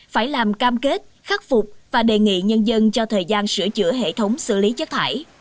phải làm cam kết khắc phục và đề nghị nhân dân cho thời gian sửa chữa hệ thống xử lý chất thải